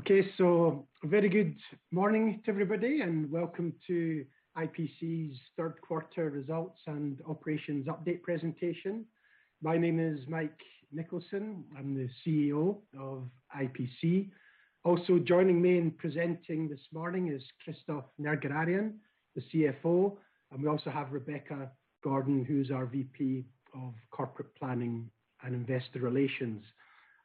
Okay. A very good morning to everybody, and welcome to IPC's third quarter results and operations update presentation. My name is Mike Nicholson. I'm the CEO of IPC. Also joining me in presenting this morning is Christophe Nerguararian, the CFO. We also have Rebecca Gordon, who's our VP of Corporate Planning and Investor Relations.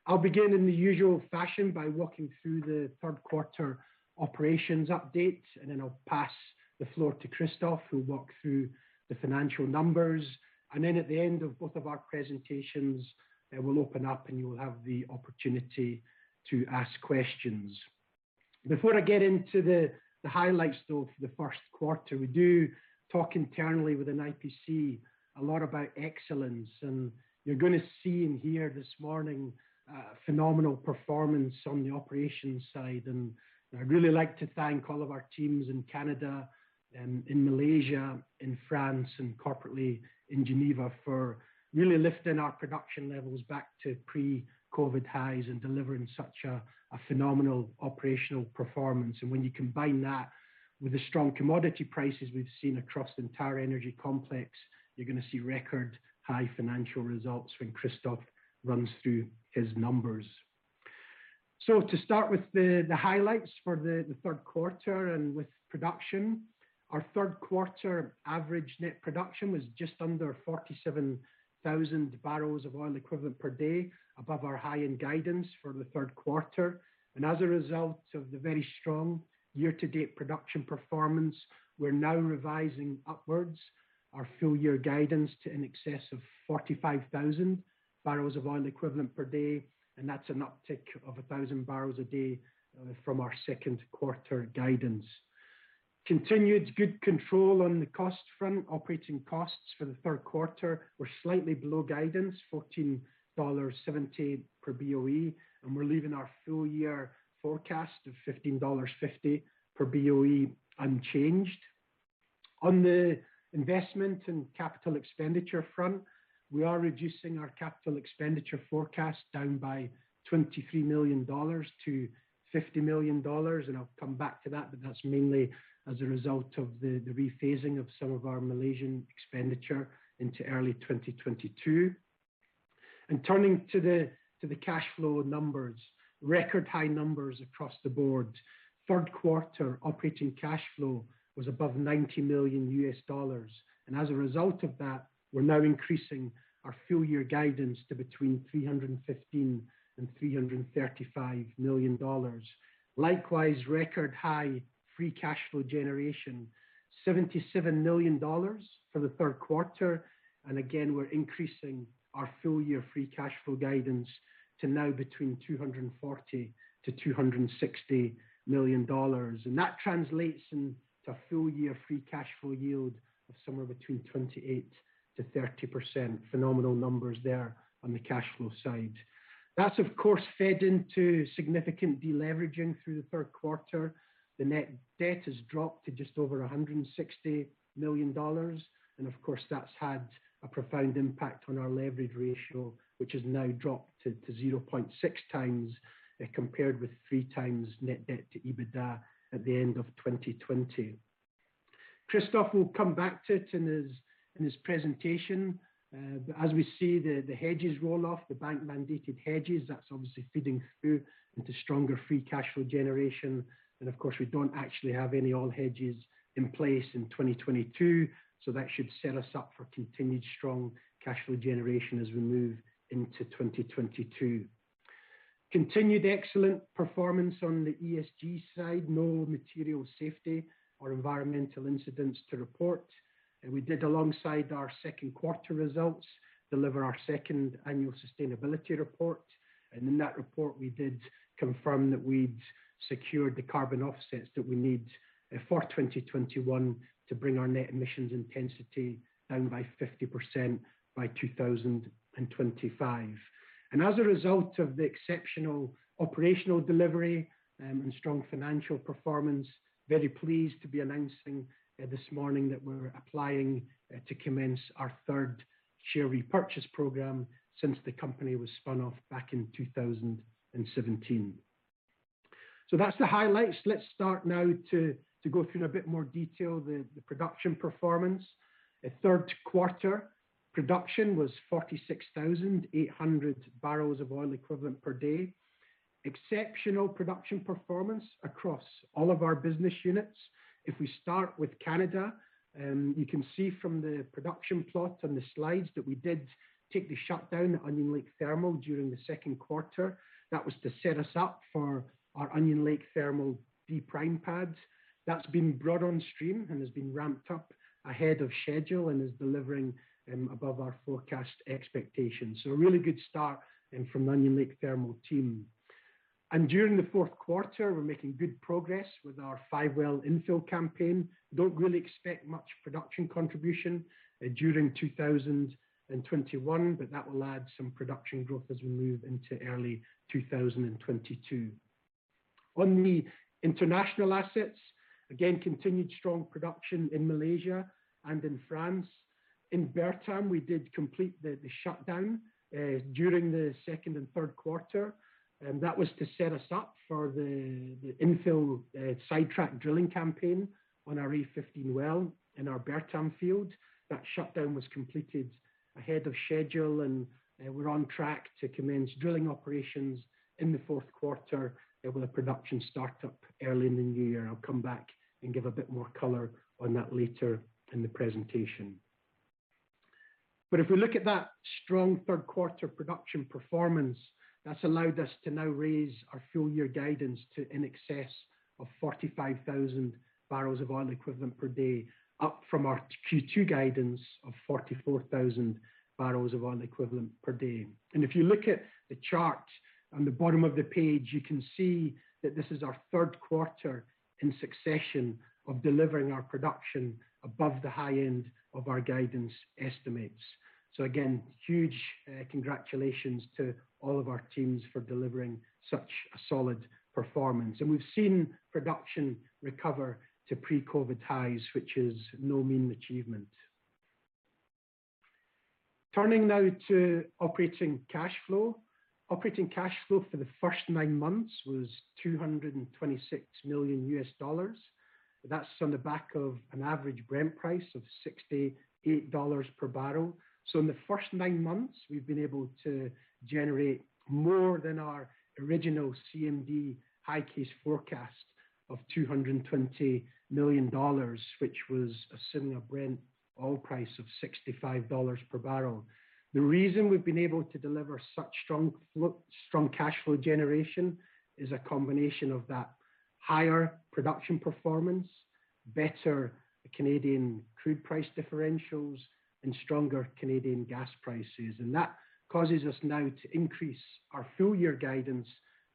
I'll begin in the usual fashion by walking through the third quarter operations update, and then I'll pass the floor to Christophe, who'll walk through the financial numbers. Then at the end of both of our presentations, we'll open up and you'll have the opportunity to ask questions. Before I get into the highlights, though, for the first quarter, we do talk internally within IPC a lot about excellence, and you're gonna see and hear this morning a phenomenal performance on the operations side. I'd really like to thank all of our teams in Canada and in Malaysia, in France, and corporately in Geneva for really lifting our production levels back to pre-COVID highs and delivering such a phenomenal operational performance. When you combine that with the strong commodity prices we've seen across the entire energy complex, you're gonna see record high financial results when Christophe runs through his numbers. To start with the highlights for the third quarter and with production. Our third quarter average net production was just under 47,000 bbl of oil equivalent per day, above our high-end guidance for the third quarter. As a result of the very strong year-to-date production performance, we're now revising upwards our full year guidance to in excess of 45,000 bbl of oil equivalent per day, and that's an uptick of 1,000 bbl a day from our second quarter guidance. Continued good control on the cost front. Operating costs for the third quarter were slightly below guidance, $14.70 per boe, and we're leaving our full year forecast of $15.50 per boe unchanged. On the investment and capital expenditure front, we are reducing our capital expenditure forecast down by $23 million to $50 million, and I'll come back to that. That's mainly as a result of the rephasing of some of our Malaysian expenditure into early 2022. Turning to the cash flow numbers. Record high numbers across the board. Third quarter operating cash flow was above $90 million. As a result of that, we're now increasing our full year guidance to between $315 million and $335 million. Likewise, record high free cash flow generation, $77 million for the third quarter. Again, we're increasing our full year free cash flow guidance to now between $240 million and $260 million. That translates into full year free cash flow yield of somewhere between 28%-30%. Phenomenal numbers there on the cash flow side. That's of course, fed into significant deleveraging through the third quarter. The net debt has dropped to just over $160 million, and of course, that's had a profound impact on our leverage ratio, which has now dropped to 0.6x compared with 3x net debt to EBITDA at the end of 2020. Christophe will come back to it in his presentation. As we see the hedges roll off, the bank-mandated hedges, that's obviously feeding through into stronger free cash flow generation. Of course, we don't actually have any oil hedges in place in 2022, so that should set us up for continued strong cash flow generation as we move into 2022. Continued excellent performance on the ESG side. No material safety or environmental incidents to report. We did, alongside our second quarter results, deliver our second annual sustainability report. In that report, we did confirm that we'd secured the carbon offsets that we need for 2021 to bring our net emissions intensity down by 50% by 2025. As a result of the exceptional operational delivery, and strong financial performance, very pleased to be announcing this morning that we're applying to commence our third share repurchase program since the company was spun off back in 2017. That's the highlights. Let's start now to go through in a bit more detail the production performance. At third quarter, production was 46,800 bbl of oil equivalent per day. Exceptional production performance across all of our business units. If we start with Canada, you can see from the production plot on the slides that we did take the shutdown at Onion Lake Thermal during the second quarter. That was to set us up for our Onion Lake Thermal de-prime pads. That's been brought on stream and has been ramped up ahead of schedule and is delivering above our forecast expectations. A really good start from the Onion Lake Thermal team. During the fourth quarter, we're making good progress with our five-well infill campaign. Don't really expect much production contribution during 2021, but that will add some production growth as we move into early 2022. On the international assets, again, continued strong production in Malaysia and in France. In Bertam, we did complete the shutdown during the second and third quarter. That was to set us up for the infill sidetrack drilling campaign on our E15 well in our Bertam field. That shutdown was completed ahead of schedule, and we're on track to commence drilling operations in the fourth quarter with a production start-up early in the new year. I'll come back and give a bit more color on that later in the presentation. If we look at that strong third quarter production performance, that's allowed us to now raise our full year guidance to in excess of 45,000 bbl of oil equivalent per day, up from our Q2 guidance of 44,000 bbl of oil equivalent per day. If you look at the chart on the bottom of the page, you can see that this is our third quarter in succession of delivering our production above the high end of our guidance estimates. Again, huge congratulations to all of our teams for delivering such a solid performance. We've seen production recover to pre-COVID highs, which is no mean achievement. Turning now to operating cash flow. Operating cash flow for the first nine months was $226 million. That's on the back of an average Brent price of $68 per barrel. In the first nine months, we've been able to generate more than our original CMD high case forecast of $220 million, which was assuming a Brent oil price of $65 per barrel. The reason we've been able to deliver such strong cash flow generation is a combination of that higher production performance, better Canadian crude price differentials, and stronger Canadian gas prices. That causes us now to increase our full year guidance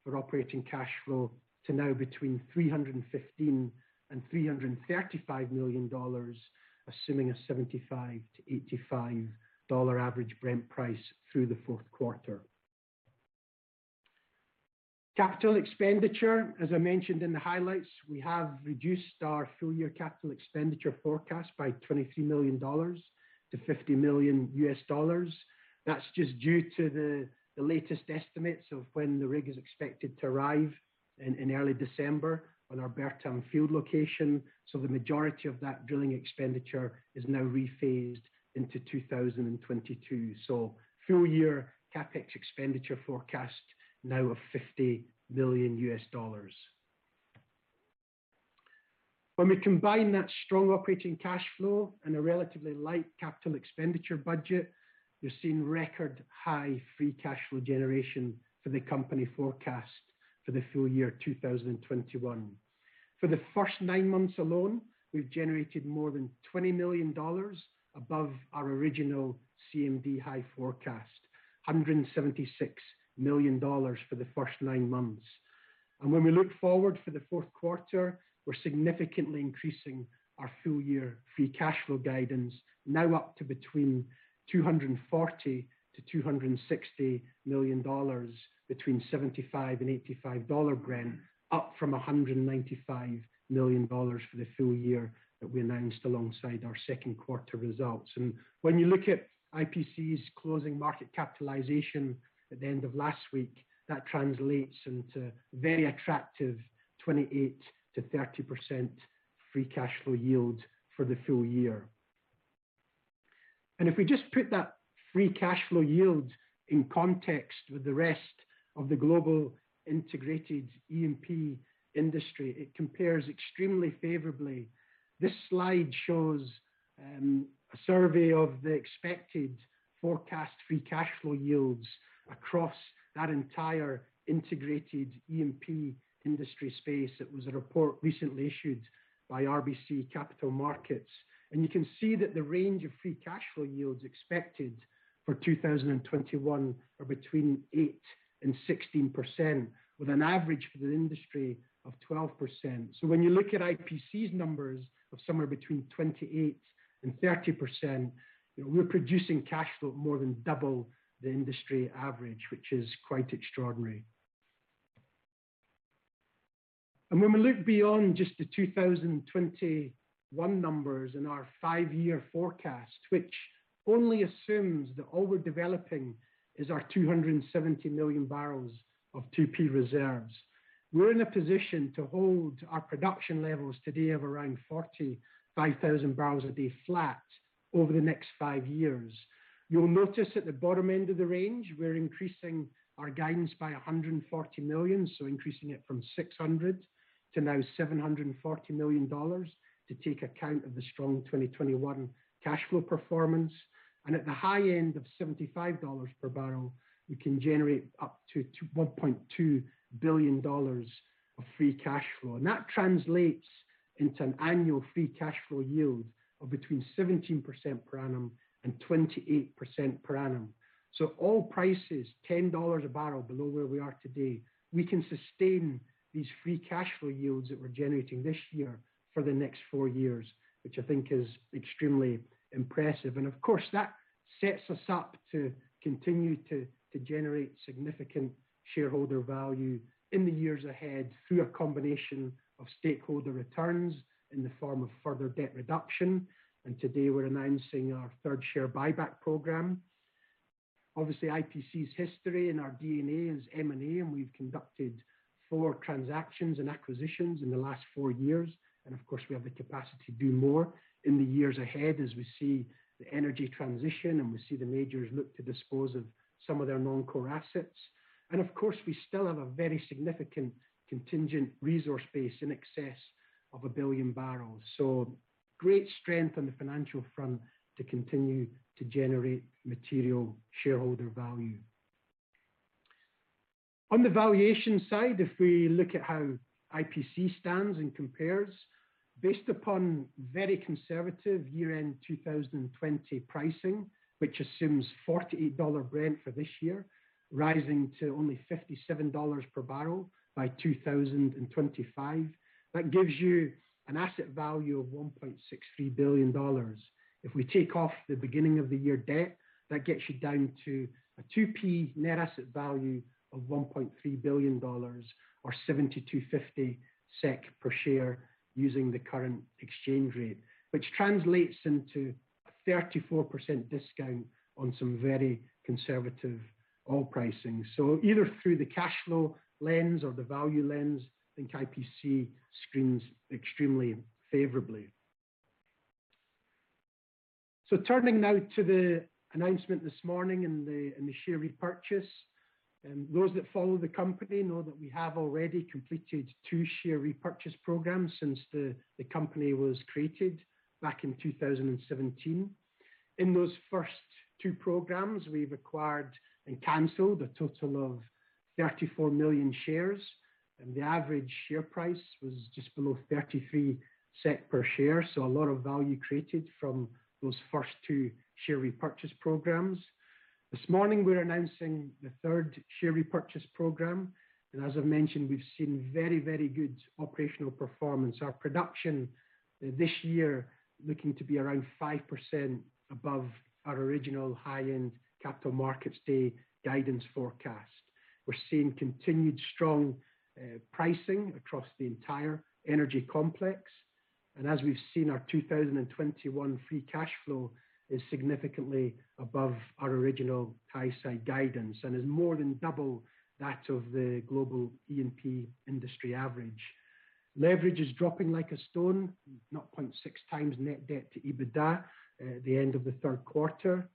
for operating cash flow to now between $315 million and $335 million, assuming a $75-$85 average Brent price through the fourth quarter. Capital expenditure, as I mentioned in the highlights, we have reduced our full year capital expenditure forecast by $23 million to $50 million. That's just due to the latest estimates of when the rig is expected to arrive in early December on our Bertam field location. The majority of that drilling expenditure is now rephased into 2022. Full year CapEx expenditure forecast now of $50 million. When we combine that strong operating cash flow and a relatively light capital expenditure budget, we're seeing record high free cash flow generation for the company forecast for the full year 2021. For the first nine months alone, we've generated more than $20 million above our original CMD high forecast, $176 million for the first nine months. When we look forward for the fourth quarter, we're significantly increasing our full year free cash flow guidance, now up to between $240 million-$260 million between $75-$85 Brent, up from $195 million for the full year that we announced alongside our second quarter results. When you look at IPC's closing market capitalization at the end of last week, that translates into very attractive 28%-30% free cash flow yield for the full year. If we just put that free cash flow yield in context with the rest of the global integrated E&P industry, it compares extremely favorably. This slide shows a survey of the expected forecast free cash flow yields across that entire integrated E&P industry space. It was a report recently issued by RBC Capital Markets. You can see that the range of free cash flow yields expected for 2021 are between 8%-16%, with an average for the industry of 12%. When you look at IPC's numbers of somewhere between 28%-30%, we're producing cash flow more than double the industry average, which is quite extraordinary. When we look beyond just the 2021 numbers in our five-year forecast, which only assumes that all we're developing is our 270 million bbl of 2P reserves, we're in a position to hold our production levels today of around 45,000 bbl a day flat over the next five years. You'll notice at the bottom end of the range, we're increasing our guidance by $140 million, so increasing it from $600 million to now $740 million to take account of the strong 2021 cash flow performance. At the high end of $75 per barrel, we can generate up to $1.2 billion of free cash flow. That translates into an annual free cash flow yield of between 17% per annum and 28% per annum. Oil price is $10 a barrel below where we are today. We can sustain these free cash flow yields that we're generating this year for the next four years, which I think is extremely impressive. Of course, that sets us up to continue to generate significant shareholder value in the years ahead through a combination of stakeholder returns in the form of further debt reduction. Today we're announcing our third share buyback program. Obviously, IPC's history and our D&A is M&A, and we've conducted four transactions and acquisitions in the last four years. Of course, we have the capacity to do more in the years ahead as we see the energy transition, and we see the majors look to dispose of some of their non-core assets. Of course, we still have a very significant contingent resource base in excess of 1 billion bbl. Great strength on the financial front to continue to generate material shareholder value. On the valuation side, if we look at how IPC stands and compares based upon very conservative year-end 2020 pricing, which assumes $48 Brent for this year, rising to only $57 per barrel by 2025. That gives you an asset value of $1.63 billion. If we take off the beginning of the year debt, that gets you down to a 2P net asset value of $1.3 billion or 72.50 SEK per share using the current exchange rate. Which translates into a 34% discount on some very conservative oil pricing. Either through the cash flow lens or the value lens, I think IPC screens extremely favorably. Turning now to the announcement this morning and the share repurchase. Those that follow the company know that we have already completed two share repurchase programs since the company was created back in 2017. In those first two programs, we've acquired and canceled a total of 34 million shares, and the average share price was just below 33 per share. A lot of value created from those first two share repurchase programs. This morning we're announcing the third share repurchase program. As I mentioned, we've seen very good operational performance. Our production this year looking to be around 5% above our original high-end Capital Markets Day guidance forecast. We're seeing continued strong pricing across the entire energy complex. We've seen, our 2021 free cash flow is significantly above our original high-side guidance and is more than double that of the global E&P industry average. Leverage is dropping like a stone, 0.6x net debt to EBITDA at the end of the third quarter.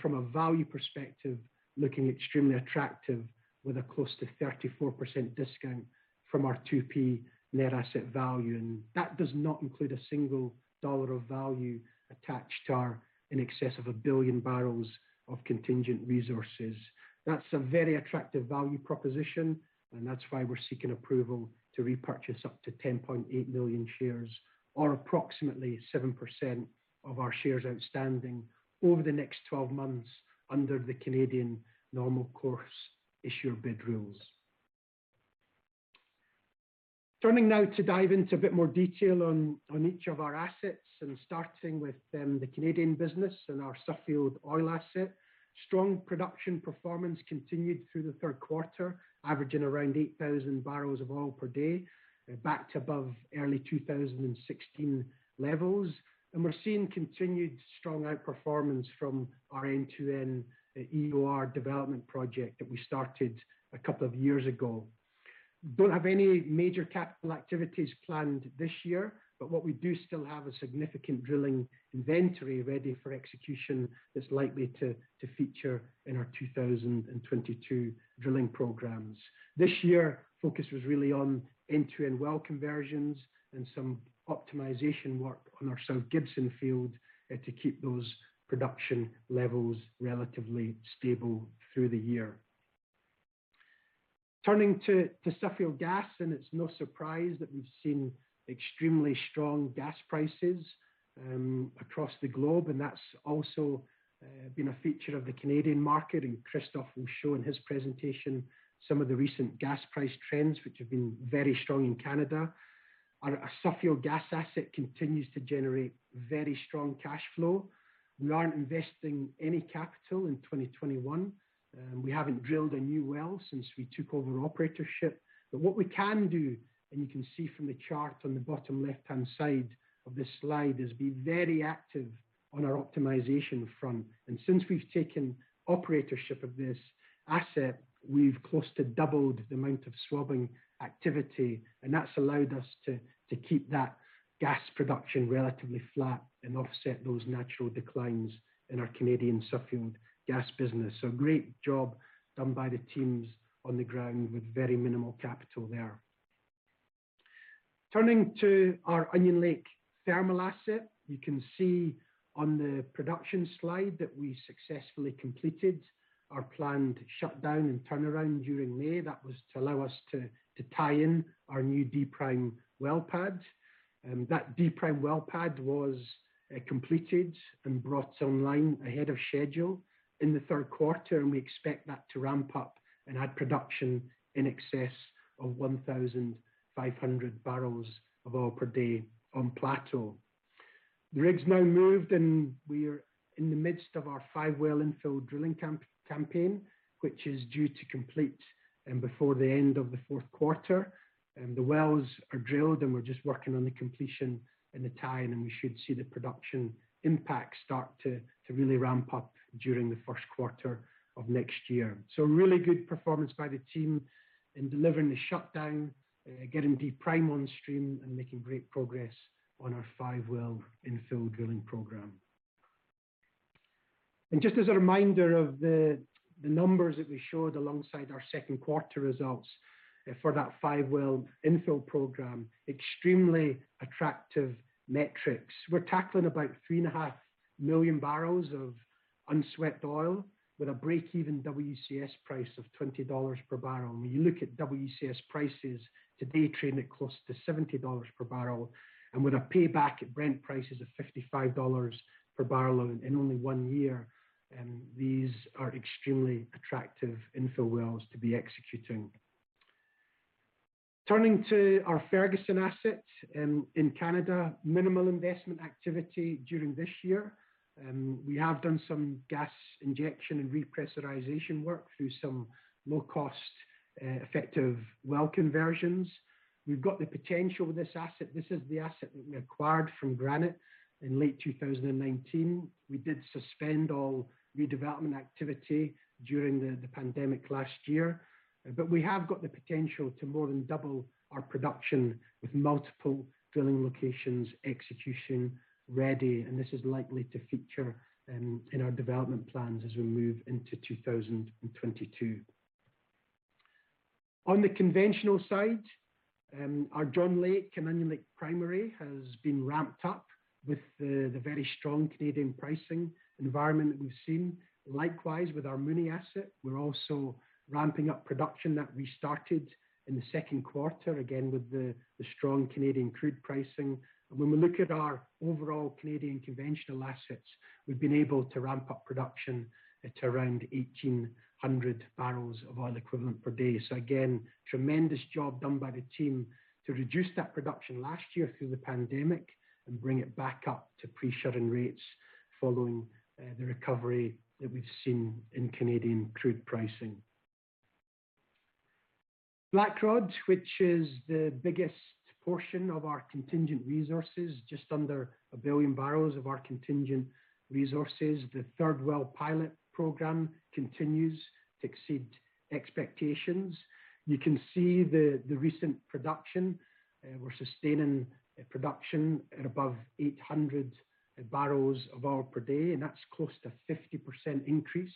From a value perspective, looking extremely attractive with a close to 34% discount from our 2P net asset value. That does not include a single dollar of value attached to our in excess of 1 billion bbl of contingent resources. That's a very attractive value proposition, and that's why we're seeking approval to repurchase up to 10.8 million shares or approximately 7% of our shares outstanding over the next 12 months under the Canadian Normal Course Issuer Bid rules. Turning now to dive into a bit more detail on each of our assets, and starting with the Canadian business and our Suffield oil asset. Strong production performance continued through the third quarter, averaging around 8,000 bbl of oil per day, back to above early 2016 levels. We're seeing continued strong outperformance from our end-to-end EOR development project that we started a couple of years ago. Don't have any major capital activities planned this year, but what we do still have a significant drilling inventory ready for execution that's likely to feature in our 2022 drilling programs. This year, focus was really on end-to-end well conversions and some optimization work on our South Gibson field to keep those production levels relatively stable through the year. Turning to Suffield Gas, it's no surprise that we've seen extremely strong gas prices across the globe, and that's also been a feature of the Canadian market. Christophe will show in his presentation some of the recent gas price trends, which have been very strong in Canada. Our Suffield Gas asset continues to generate very strong cash flow. We aren't investing any capital in 2021. We haven't drilled a new well since we took over operatorship. What we can do, and you can see from the chart on the bottom left-hand side of this slide, is be very active on our optimization front. Since we've taken operatorship of this asset, we've close to doubled the amount of swabbing activity, and that's allowed us to keep that gas production relatively flat and offset those natural declines in our Canadian Suffield Gas business. Great job done by the teams on the ground with very minimal capital there. Turning to our Onion Lake Thermal asset. You can see on the production slide that we successfully completed our planned shutdown and turnaround during May. That was to allow us to tie in our new D Prime well pad. That D Prime well pad was completed and brought online ahead of schedule in the third quarter, and we expect that to ramp up and add production in excess of 1,500 bbl of oil per day on plateau. The rig's now moved, and we're in the midst of our five-well infill drilling campaign, which is due to complete before the end of the fourth quarter. The wells are drilled, and we're just working on the completion and the tie-in, and we should see the production impact start to really ramp up during the first quarter of next year. Really good performance by the team in delivering the shutdown, getting D Prime on stream and making great progress on our five-well infill drilling program. Just as a reminder of the numbers that we showed alongside our second quarter results for that five-well infill program, extremely attractive metrics. We're tackling about 3.5 million bbl of unswept oil with a break-even WCS price of $20 per barrel. When you look at WCS prices today trading close to $70 per barrel, and with a payback at Brent prices of $55 per barrel in only one year, these are extremely attractive infill wells to be executing. Turning to our Ferguson asset in Canada, minimal investment activity during this year. We have done some gas injection and repressurization work through some low cost effective well conversions. We've got the potential with this asset. This is the asset that we acquired from Granite in late 2019. We did suspend all redevelopment activity during the pandemic last year. We have got the potential to more than double our production with multiple drilling locations, execution ready, and this is likely to feature in our development plans as we move into 2022. On the conventional side, our John Lake and Onion Lake Primary has been ramped up with the very strong Canadian pricing environment that we've seen. Likewise, with our Mooney asset, we're also ramping up production that we started in the second quarter, again, with the strong Canadian crude pricing. When we look at our overall Canadian conventional assets, we've been able to ramp up production to around 1,800 bbl of oil equivalent per day. Again, tremendous job done by the team to reduce that production last year through the pandemic and bring it back up to pre-shut-in rates following the recovery that we've seen in Canadian crude pricing. Blackrod, which is the biggest portion of our contingent resources, just under 1 billion bbl of our contingent resources. The third well pilot program continues to exceed expectations. You can see the recent production. We're sustaining production at above 800 bbl of oil per day, and that's close to 50% increase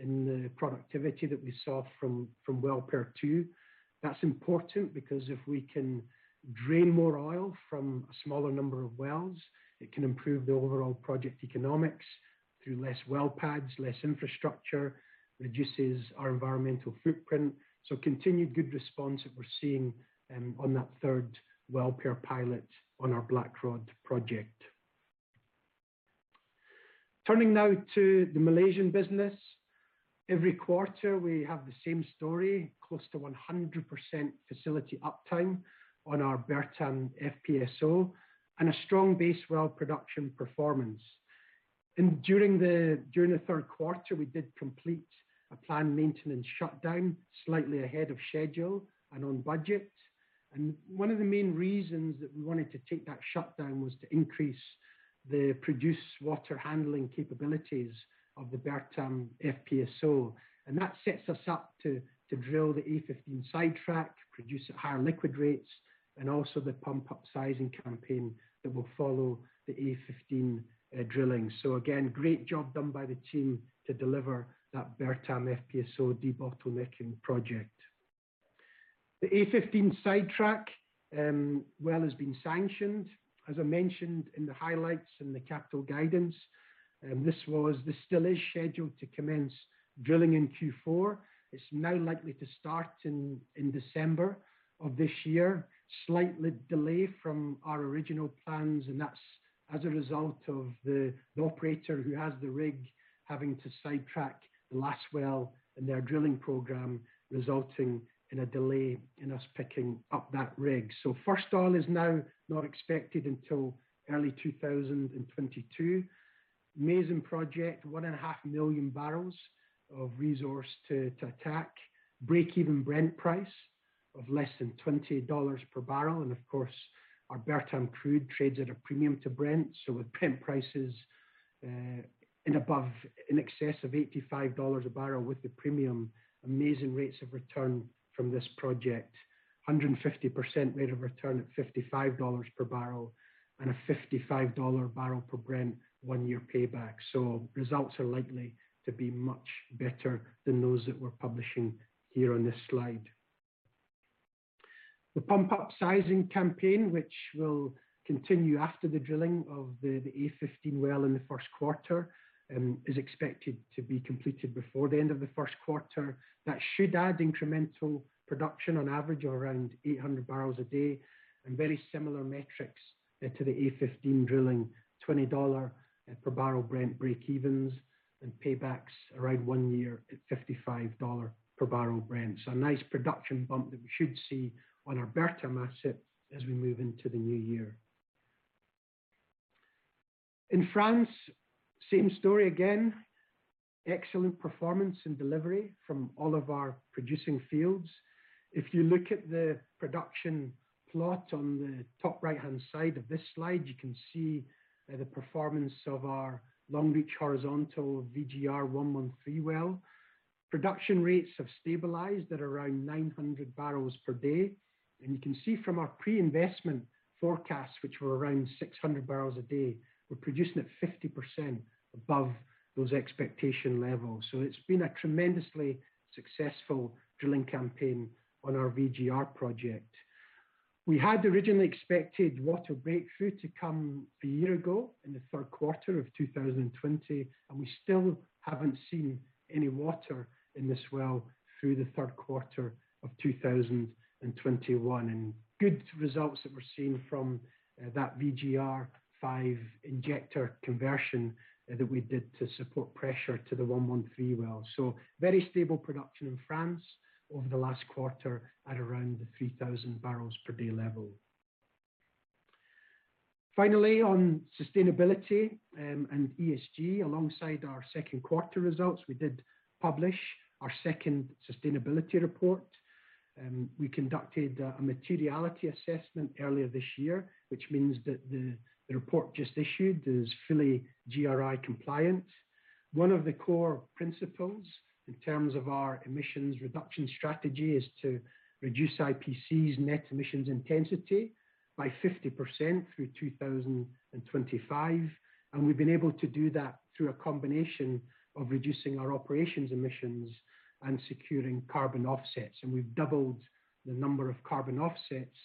in the productivity that we saw from well pair two. That's important because if we can drain more oil from a smaller number of wells, it can improve the overall project economics through less well pads, less infrastructure, reduces our environmental footprint. Continued good response that we're seeing on that third well pair pilot on our Blackrod project. Turning now to the Malaysian business. Every quarter, we have the same story, close to 100% facility uptime on our Bertam FPSO and a strong base well production performance. During the third quarter, we did complete a planned maintenance shutdown slightly ahead of schedule and on budget. One of the main reasons that we wanted to take that shutdown was to increase the produced water handling capabilities of the Bertam FPSO. That sets us up to drill the A-15 sidetrack, produce at higher liquid rates, and also the pump upsizing campaign that will follow the A-15 drilling. Again, great job done by the team to deliver that Bertam FPSO debottlenecking project. The A-15 sidetrack well has been sanctioned. As I mentioned in the highlights and the capital guidance, this still is scheduled to commence drilling in Q4. It's now likely to start in December of this year, slightly delayed from our original plans, and that's as a result of the operator who has the rig having to sidetrack the last well in their drilling program, resulting in a delay in us picking up that rig. First oil is now not expected until early 2022. Amazing project, 1.5 million bbl of resource to attack. Break-even Brent price of less than $20 per barrel. Of course, our Bertam crude trades at a premium to Brent. With Brent prices in excess of $85 a barrel with the premium, amazing rates of return from this project. 150% rate of return at $55 per barrel and a $55 per barrel Brent one-year payback. Results are likely to be much better than those that we're publishing here on this slide. The pump upsizing campaign, which will continue after the drilling of the A-15 well in the first quarter, is expected to be completed before the end of the first quarter. That should add incremental production on average of around 800 bpd, and very similar metrics to the A-15 drilling, $20 per barrel Brent breakevens and paybacks around one year at $55 per barrel Brent. A nice production bump that we should see on our Bertam asset as we move into the new year. In France, same story again, excellent performance and delivery from all of our producing fields. If you look at the production plot on the top right-hand side of this slide, you can see the performance of our long-reach horizontal VGR-113 well. Production rates have stabilized at around 900 bpd. You can see from our pre-investment forecasts, which were around 600 bpd, we're producing at 50% above those expectation levels. It's been a tremendously successful drilling campaign on our VGR project. We had originally expected water breakthrough to come a year ago in the third quarter of 2020, and we still haven't seen any water in this well through the third quarter of 2021. Good results that we're seeing from that VGR-5 injector conversion that we did to support pressure to the 113 well. Very stable production in France over the last quarter at around the 3,000 bpd level. Finally, on sustainability and ESG, alongside our second quarter results, we did publish our second sustainability report. We conducted a materiality assessment earlier this year, which means that the report just issued is fully GRI compliant. One of the core principles in terms of our emissions reduction strategy is to reduce IPC's net emissions intensity by 50% through 2025. We've been able to do that through a combination of reducing our operations emissions and securing carbon offsets. We've doubled the number of carbon offsets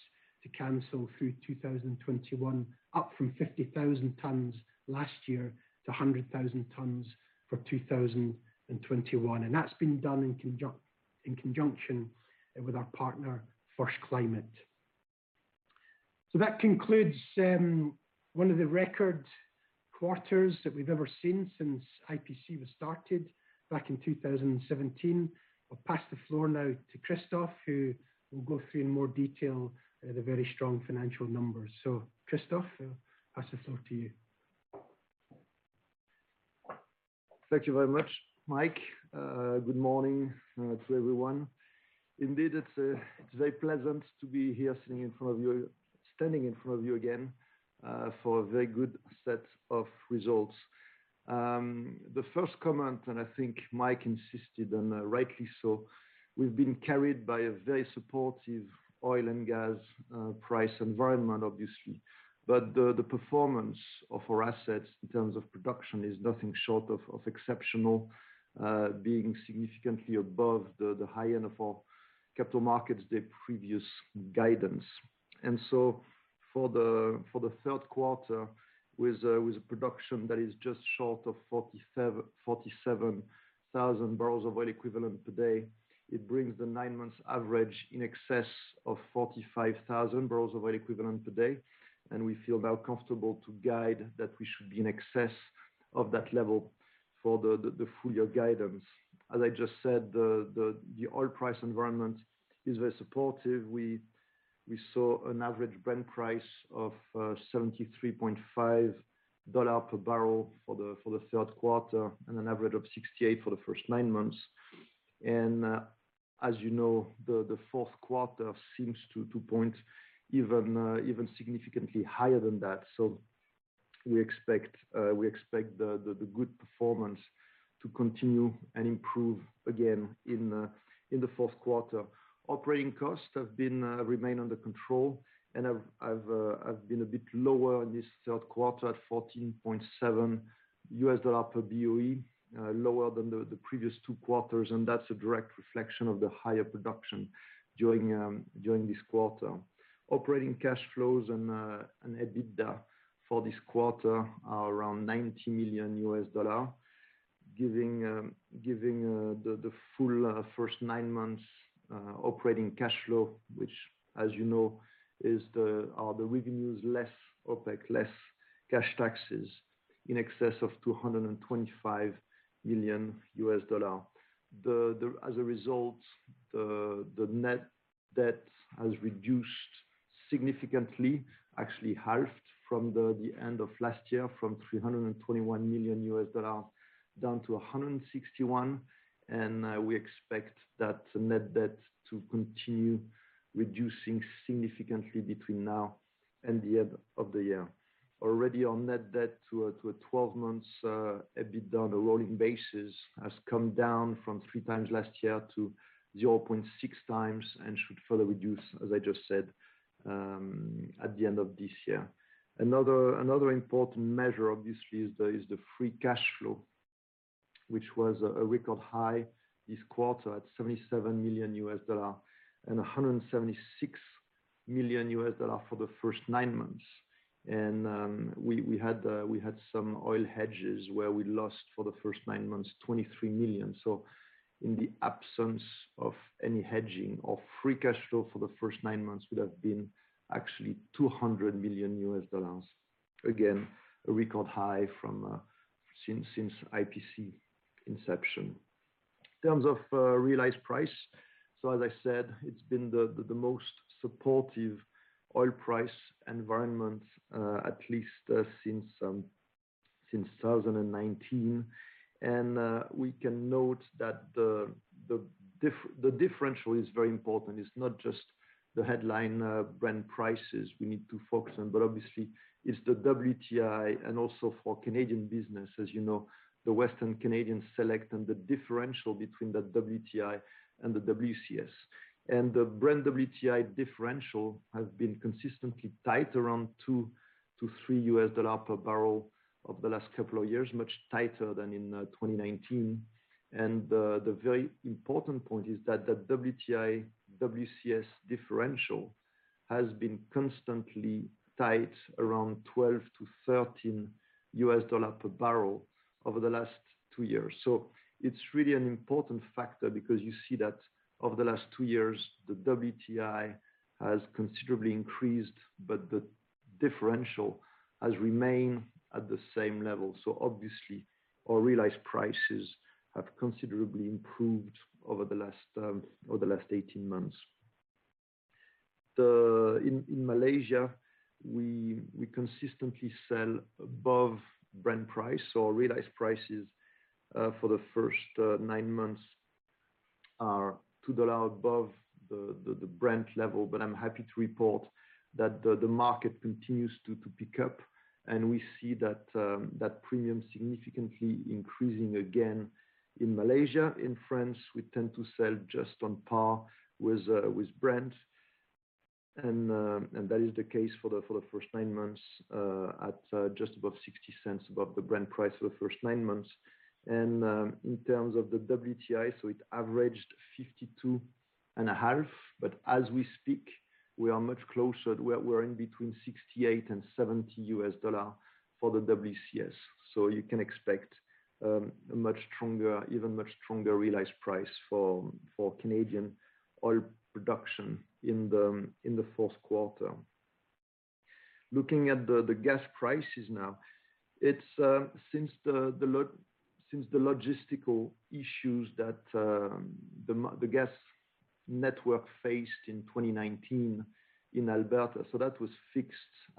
to cancel through 2021, up from 50,000 tons last year to 100,000 tons for 2021. That's been done in conjunction with our partner, First Climate. That concludes one of the record quarters that we've ever seen since IPC was started back in 2017. I'll pass the floor now to Christophe, who will go through in more detail the very strong financial numbers. Christophe, I'll pass the floor to you. Thank you very much, Mike. Good morning to everyone. Indeed, it's very pleasant to be here standing in front of you again for a very good set of results. The first comment, and I think Mike insisted, and rightly so, we've been carried by a very supportive oil and gas price environment, obviously. But the performance of our assets in terms of production is nothing short of exceptional, being significantly above the high end of our capital markets previous guidance. For the third quarter, with production that is just short of 47,000 bbl of oil equivalent per day, it brings the nine months average in excess of 45,000 bbl of oil equivalent per day. We feel now comfortable to guide that we should be in excess of that level for the full year guidance. As I just said, the oil price environment is very supportive. We saw an average Brent price of $73.5 per barrel for the third quarter and an average of $68 for the first nine months. As you know, the fourth quarter seems to point even significantly higher than that. We expect the good performance to continue and improve again in the fourth quarter. Operating costs remain under control and have been a bit lower in this third quarter at $14.7 per boe, lower than the previous two quarters, and that's a direct reflection of the higher production during this quarter. Operating cash flows and EBITDA for this quarter are around $90 million, giving the full first nine months operating cash flow, which as you know, are the revenues less OpEx, less cash taxes in excess of $225 million. As a result, the net debt has reduced significantly, actually halved from the end of last year, from $321 million down to $161 million. We expect that net debt to continue reducing significantly between now and the end of the year. Already net debt to a 12 months EBITDA on a rolling basis has come down from 3x last year to 0.6x and should further reduce, as I just said, at the end of this year. Another important measure obviously is the free cash flow, which was a record high this quarter at $77 million and $176 million for the first nine months. We had some oil hedges where we lost for the first nine months, $23 million. In the absence of any hedging of free cash flow for the first nine months would have been actually $200 million. Again, a record high since IPC inception. In terms of realized price, as I said, it's been the most supportive oil price environment at least since 2019. We can note that the differential is very important. It's not just the headline Brent prices we need to focus on, but obviously, it's the WTI, and also for Canadian business, as you know, the Western Canadian Select and the differential between the WTI and the WCS. The Brent WTI differential has been consistently tight around $2-$3 per barrel over the last couple of years, much tighter than in 2019. The very important point is that the WTI WCS differential has been constantly tight around $12-$13 per barrel over the last two years. It's really an important factor because you see that over the last two years, the WTI has considerably increased, but the differential has remained at the same level. Obviously, our realized prices have considerably improved over the last 18 months. In Malaysia, we consistently sell above Brent price, so realized prices for the first nine months are $2 above the Brent level. But I'm happy to report that the market continues to pick up, and we see that premium significantly increasing again in Malaysia. In France, we tend to sell just on par with Brent. That is the case for the first nine months at just $0.60 above the Brent price for the first nine months. In terms of the WTI, it averaged $52.5. As we speak, we are much closer. We're in between $68-$70 for the WCS. You can expect a much stronger, even much stronger realized price for Canadian oil production in the fourth quarter. Looking at the gas prices now. It's since the logistical issues that the gas network faced in 2019 in Alberta. That was fixed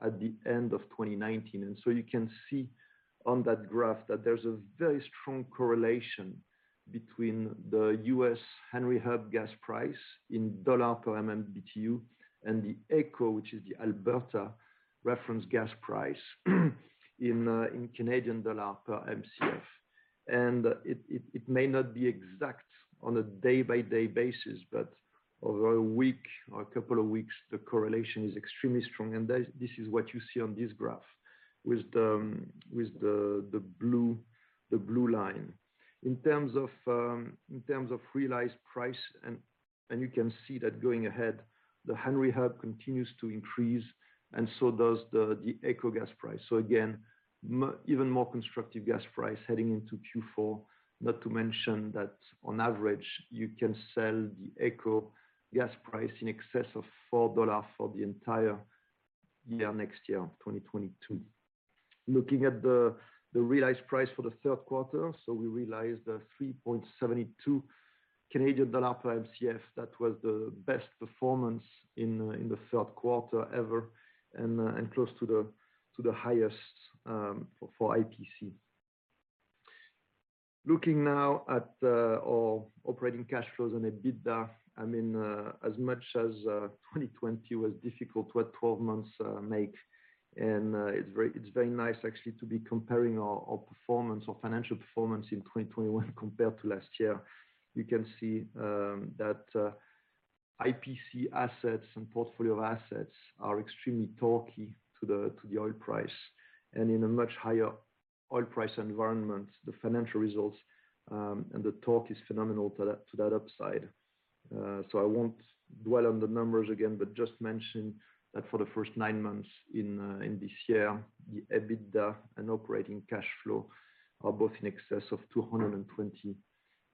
at the end of 2019. You can see on that graph that there's a very strong correlation between the U.S. Henry Hub gas price in dollar per MMBtu, and the AECO, which is the Alberta reference gas price, in Canadian dollar per Mcf. It may not be exact on a day by day basis, but over a week or a couple of weeks, the correlation is extremely strong. This is what you see on this graph with the blue line. In terms of realized price, you can see that going ahead, the Henry Hub continues to increase and so does the AECO gas price. Again, even more constructive gas price heading into Q4. Not to mention that on average, you can sell at the AECO gas price in excess of 4 dollars for the entire year next year, 2022. Looking at the realized price for the third quarter, we realized 3.72 Canadian dollar per Mcf. That was the best performance in the third quarter ever and close to the highest for IPC. Looking now at our operating cash flows and EBITDA. I mean, as much as 2020 was difficult, it's very nice actually to be comparing our performance, our financial performance in 2021 compared to last year. You can see that IPC assets and portfolio of assets are extremely torquey to the oil price. In a much higher oil price environment, the financial results and the torque is phenomenal to that upside. I won't dwell on the numbers again, but just mention that for the first nine months in this year, the EBITDA and operating cash flow are both in excess of $220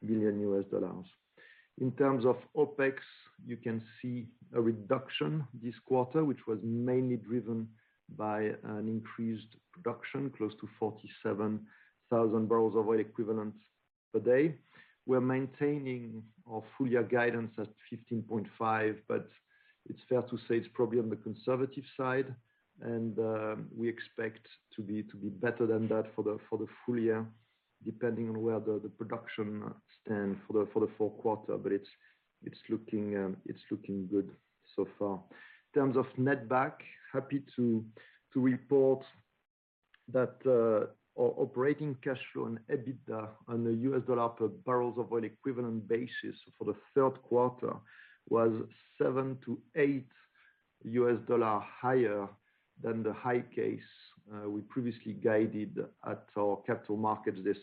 million. In terms of OpEx, you can see a reduction this quarter, which was mainly driven by an increased production, close to 47,000 bbl of oil equivalent per day. We're maintaining our full year guidance at $15.5, but it's fair to say it's probably on the conservative side. We expect to be better than that for the full year, depending on where the production stands for the fourth quarter. It's looking good so far. In terms of net back, happy to report that our operating cash flow and EBITDA on the U.S. dollar per barrels of oil equivalent basis for the third quarter was $7-$8 higher than the high case we previously guided at our capital markets day.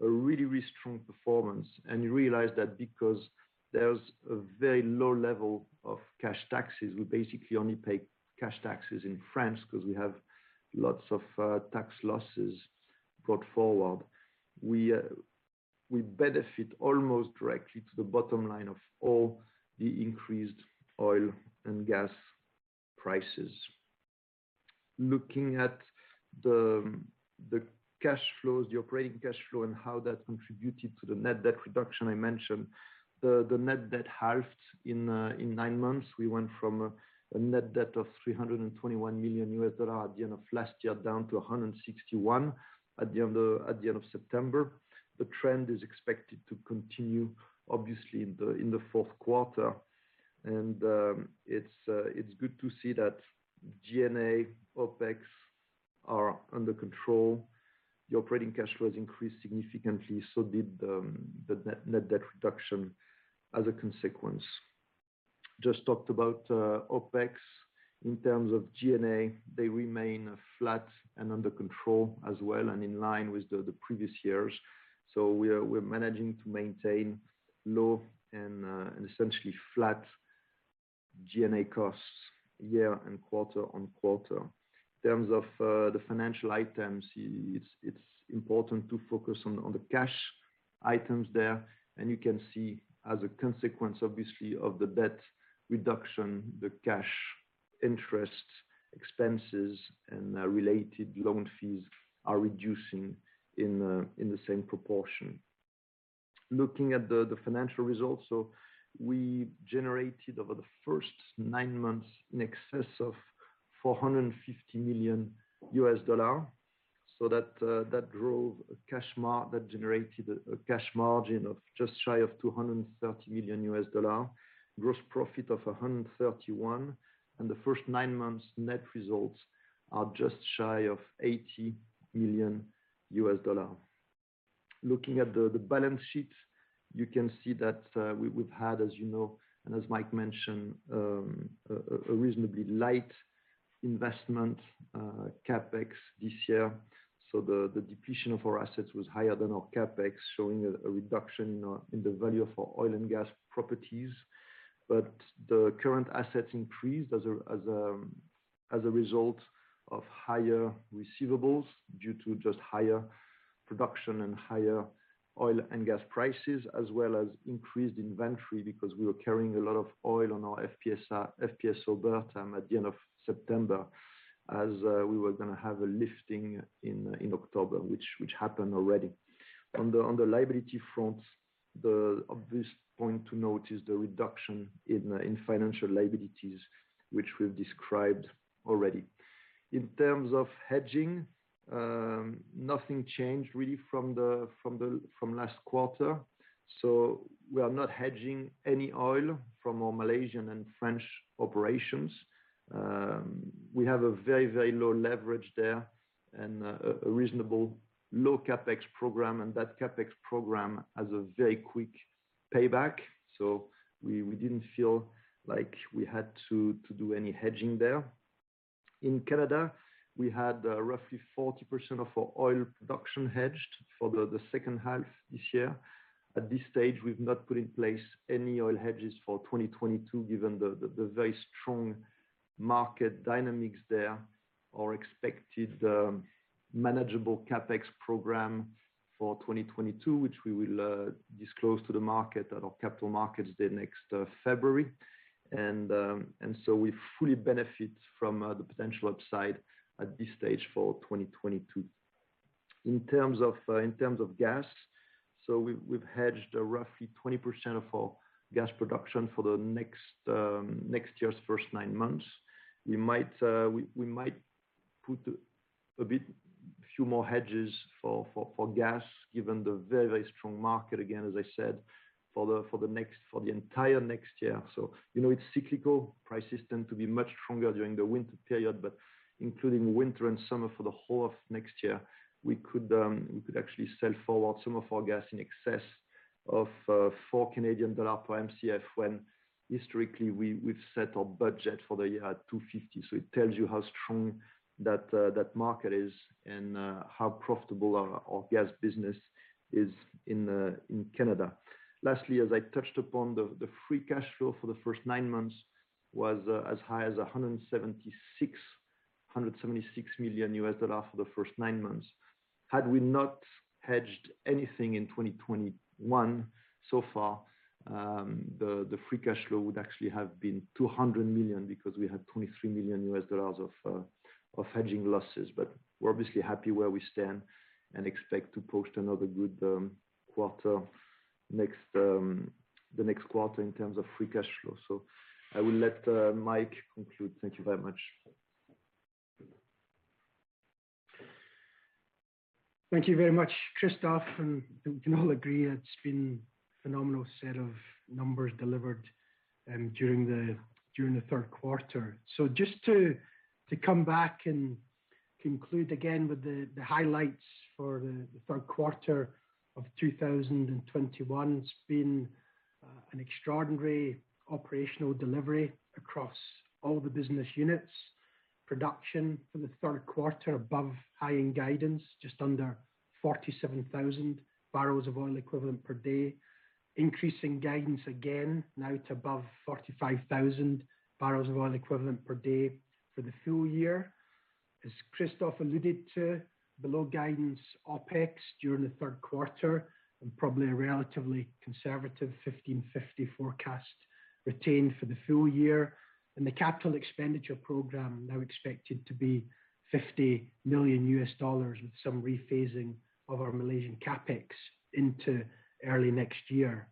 Really strong performance. You realize that because there's a very low level of cash taxes, we basically only pay cash taxes in France 'cause we have lots of tax losses going forward. We benefit almost directly to the bottom line of all the increased oil and gas prices. Looking at the cash flows, the operating cash flow, and how that contributed to the net debt reduction I mentioned. The net debt halved in nine months. We went from a net debt of $321 million at the end of last year, down to $161 million at the end of September. The trend is expected to continue, obviously, in the fourth quarter. It's good to see that G&A OpEx are under control. The operating cash flows increased significantly, so did the net debt reduction as a consequence. Just talked about OpEx. In terms of G&A, they remain flat and under control as well, and in line with the previous years. We're managing to maintain low and essentially flat G&A costs year and quarter on quarter. In terms of the financial items, it's important to focus on the cash items there. You can see as a consequence, obviously, of the debt reduction, the cash interest expenses and related loan fees are reducing in the same proportion. Looking at the financial results. We generated over the first nine months in excess of $450 million. That generated a cash margin of just shy of $230 million. Gross profit of $131 million, and the first nine months net results are just shy of $80 million. Looking at the balance sheet, you can see that we've had, as you know, and as Mike mentioned, a reasonably light investment CapEx this year. The depletion of our assets was higher than our CapEx, showing a reduction in the value for oil and gas properties. The current assets increased as a result of higher receivables due to just higher production and higher oil and gas prices, as well as increased inventory, because we were carrying a lot of oil on our FPSO Bertam at the end of September, as we were gonna have a lifting in October, which happened already. On the liability front, the obvious point to note is the reduction in financial liabilities, which we've described already. In terms of hedging, nothing changed really from last quarter. We are not hedging any oil from our Malaysian and French operations. We have a very low leverage there and a reasonable low CapEx program, and that CapEx program has a very quick payback. We didn't feel like we had to do any hedging there. In Canada, we had roughly 40% of our oil production hedged for the second half this year. At this stage, we've not put in place any oil hedges for 2022, given the very strong market dynamics there or expected manageable CapEx program for 2022, which we will disclose to the market at our capital markets day next February. We fully benefit from the potential upside at this stage for 2022. In terms of gas, we've hedged roughly 20% of our gas production for next year's first nine months. We might put a few more hedges for gas, given the very strong market again, as I said, for the entire next year. You know it's cyclical. Prices tend to be much stronger during the winter period, but including winter and summer for the whole of next year, we could actually sell forward some of our gas in excess of 4 Canadian dollars per Mcf, when historically we've set our budget for the year at 2.50. It tells you how strong that market is and how profitable our gas business is in Canada. Lastly, as I touched upon the free cash flow for the first nine months was as high as $176 million for the first nine months. Had we not hedged anything in 2021 so far, the free cash flow would actually have been $200 million because we had $23 million of hedging losses. We're obviously happy where we stand and expect to post another good quarter next quarter in terms of free cash flow. I will let Mike conclude. Thank you very much. Thank you very much, Christophe. We can all agree it's been phenomenal set of numbers delivered during the third quarter. Just to come back and conclude again with the highlights for the third quarter of 2021. It's been an extraordinary operational delivery across all the business units. Production for the third quarter above high-end guidance, just under 47,000 bbl of oil equivalent per day. Increasing guidance again, now to above 45,000 bbl of oil equivalent per day for the full year. As Christophe alluded to, below guidance OpEx during the third quarter, and probably a relatively conservative $15.50 forecast retained for the full year. The capital expenditure program now expected to be $50 million, with some rephasing of our Malaysian CapEx into early next year.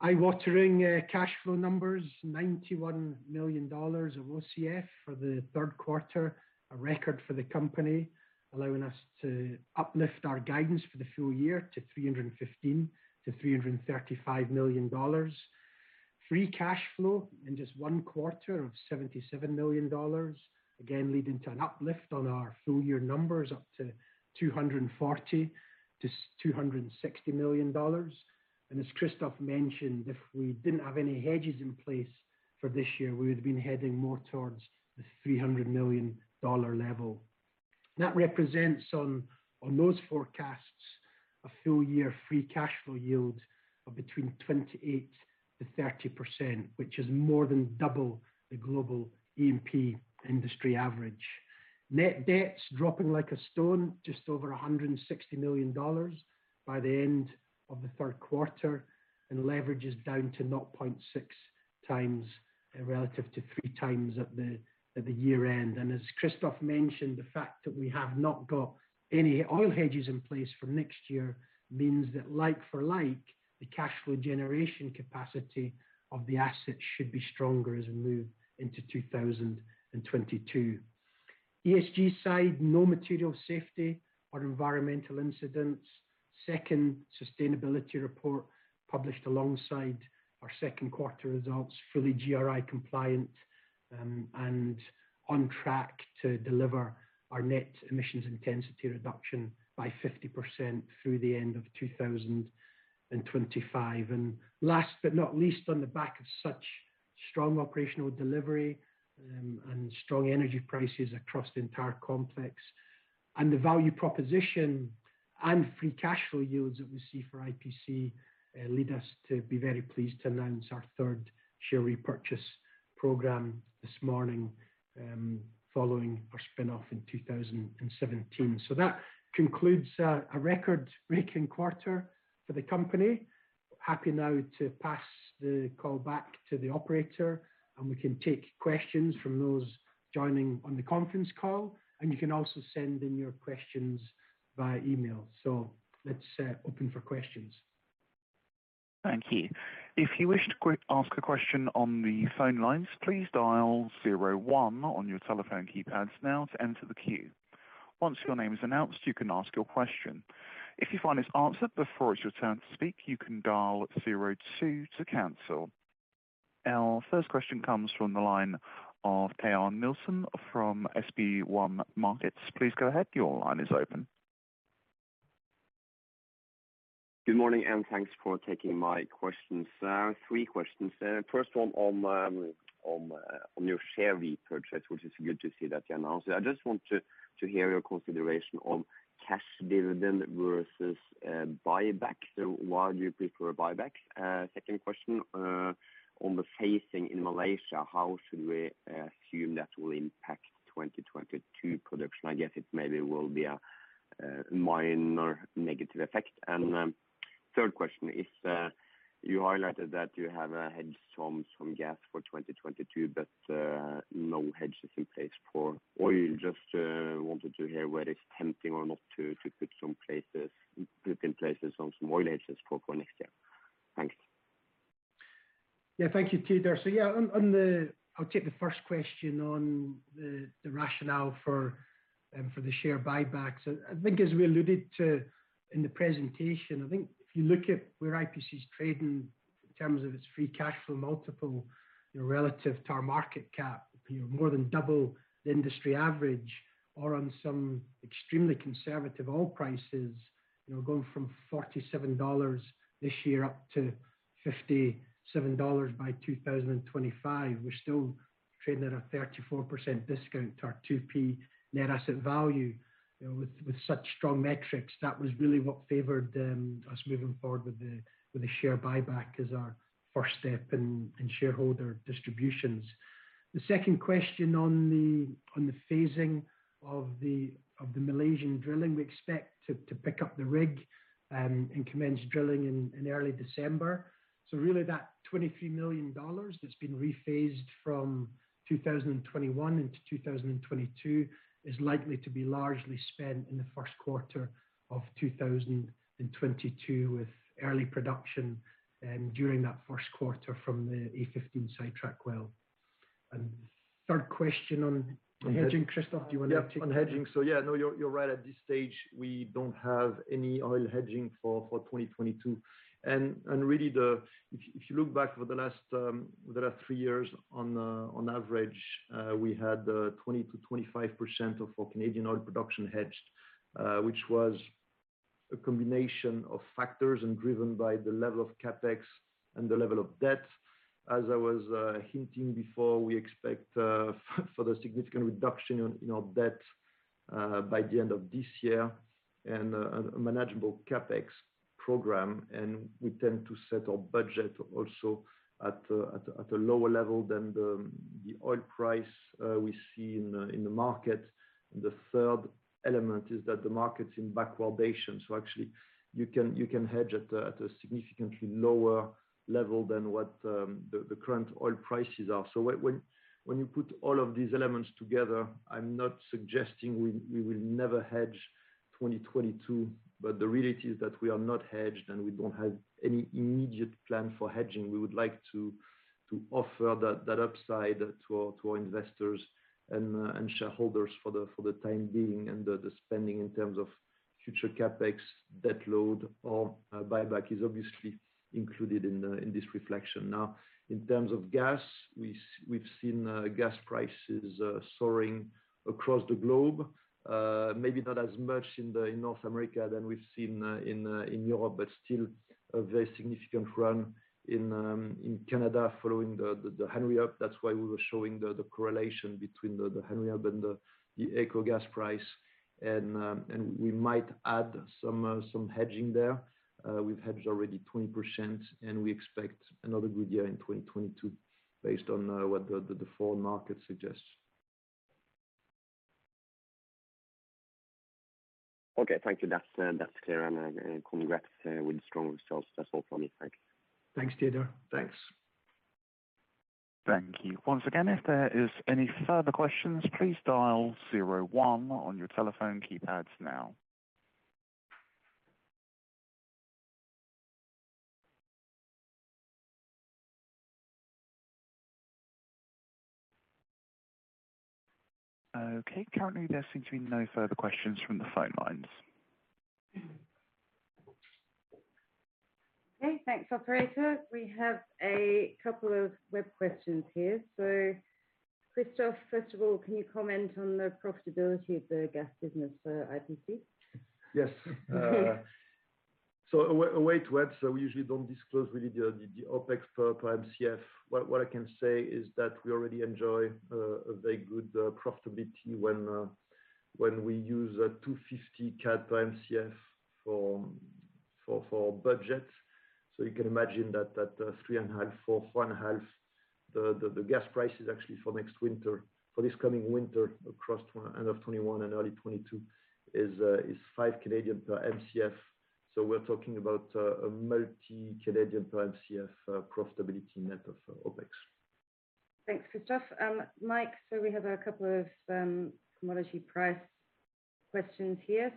Eye-watering cash flow numbers, $91 million of OCF for the third quarter, a record for the company, allowing us to uplift our guidance for the full year to $315 million-$335 million. Free cash flow in just one quarter of $77 million, again leading to an uplift on our full-year numbers, up to $240 million-$260 million. As Christophe mentioned, if we didn't have any hedges in place for this year, we would have been heading more towards the $300 million level. That represents on those forecasts a full year free cash flow yield of between 28%-30%, which is more than double the global E&P industry average. Net debt dropping like a stone, just over $160 million by the end of the third quarter. Leverage is down to 0.6x relative to 3x at the year-end. As Christophe mentioned, the fact that we have not got any oil hedges in place for next year means that like for like, the cash flow generation capacity of the assets should be stronger as we move into 2022. ESG side, no material safety or environmental incidents. Second sustainability report published alongside our second quarter results, fully GRI compliant, and on track to deliver our net emissions intensity reduction by 50% through the end of 2025. Last but not least, on the back of such strong operational delivery, and strong energy prices across the entire complex. The value proposition and free cash flow yields that we see for IPC lead us to be very pleased to announce our third share repurchase program this morning, following our spin-off in 2017. That concludes a record-breaking quarter for the company. Happy now to pass the call back to the operator, and we can take questions from those joining on the conference call, and you can also send in your questions via email. Let's open for questions. Thank you. If you wish to ask a question on the phone lines, please dial zero one on your telephone keypads now to enter the queue. Once your name is announced, you can ask your question. If you find it's answered before it's your turn to speak, you can dial zero two to cancel. Our first question comes from the line of Teodor Sveen-Nilsen from SB1 Markets. Please go ahead. Your line is open. Good morning, and thanks for taking my questions. Three questions. First one on your share repurchase, which is good to see that you announced it. I just wanted to hear your consideration on cash dividend versus buyback. Why do you prefer buybacks? Second question on the phasing in Malaysia, how should we assume that will impact 2022 production? I guess it maybe will be a minor negative effect. Third question is you highlighted that you have a hedge on some gas for 2022, but no hedges in place for oil. Just wanted to hear whether it's tempting or not to put in place some oil hedges for next year. Thanks. Yeah, thank you, Teodor. I'll take the first question on the rationale for the share buyback. I think as we alluded to in the presentation, I think if you look at where IPC is trading in terms of its free cash flow multiple, you know, relative to our market cap, you know, more than double the industry average or on some extremely conservative oil prices. You know, going from $47 this year up to $57 by 2025. We're still trading at a 34% discount to our 2P net asset value. You know, with such strong metrics, that was really what favored us moving forward with the share buyback as our first step in shareholder distributions. The second question on the phasing of the Malaysian drilling, we expect to pick up the rig and commence drilling in early December. So really that $23 million that's been rephased from 2021 into 2022 is likely to be largely spent in the first quarter of 2022 with early production during that first quarter from the A-15 sidetrack well. Third question on hedging. Christophe, do you wanna take that? Yeah, on hedging. Yeah, no, you're right. At this stage, we don't have any oil hedging for 2022. Really, if you look back over the last three years, on average, we had 20%-25% of our Canadian oil production hedged. Which was a combination of factors and driven by the level of CapEx and the level of debt. As I was hinting before, we expect for the significant reduction in our debt by the end of this year, and a manageable CapEx program, and we tend to set our budget also at a lower level than the oil price we see in the market. The third element is that the market's in backwardation, so actually you can hedge at a significantly lower level than what the current oil prices are. When you put all of these elements together, I'm not suggesting we will never hedge 2022, but the reality is that we are not hedged, and we don't have any immediate plan for hedging. We would like to offer that upside to our investors and shareholders for the time being, and the spending in terms of future CapEx, debt load, or buyback is obviously included in this reflection. Now, in terms of gas, we've seen gas prices soaring across the globe. Maybe not as much in North America than we've seen in Europe, but still a very significant run in Canada following the Henry Hub. That's why we were showing the correlation between the Henry Hub and the AECO gas price. We might add some hedging there. We've hedged already 20%, and we expect another good year in 2022 based on what the forward market suggests. Okay. Thank you. That's clear. Congrats with strong results. That's all from me. Thanks. Thanks, Teodor. Thanks. Thank you. Once again, if there is any further questions, please dial zero one on your telephone keypads now. Okay, currently there seems to be no further questions from the phone lines. Okay. Thanks, operator. We have a couple of web questions here. Christophe, first of all, can you comment on the profitability of the gas business for IPC? Yes. We usually don't really disclose the OpEx per Mcf. What I can say is that we already enjoy a very good profitability when we use a 2.50 CAD per Mcf for budgets. You can imagine that 3.5, 4.5 the gas prices actually for next winter, for this coming winter across end of 2021 and early 2022 is 5 per Mcf. We're talking about a multiple Canadian dollar per Mcf profitability net of OpEx. Thanks, Christophe. Mike, we have a couple of commodity price questions here.